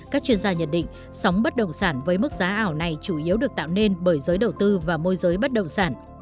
các chuyên gia nhận định sống bất động sản với mức giá ảo này chủ yếu được tạo nên bởi giới đầu tư và môi giới bất động sản